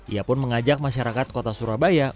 ia pun mengajak masyarakat kota surabaya